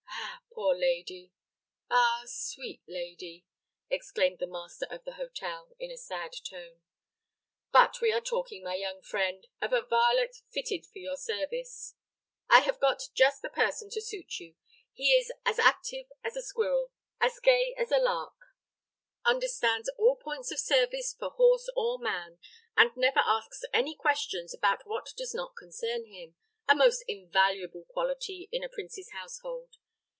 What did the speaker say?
"Ah, poor lady! ah, sweet lady!" exclaimed the master of the hotel, in a sad tone. "But we were talking, my young friend, of a varlet fitted for your service. I have got just the person to suit you. He is as active as a squirrel, as gay as a lark, understands all points of service for horse or man, and never asks any questions about what does not concern him a most invaluable quality in a prince's household.